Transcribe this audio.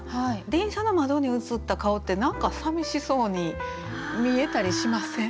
電車の窓に映った顔って何かさみしそうに見えたりしません？